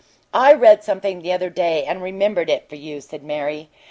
"I read something the other day and remembered it for you," said Mary.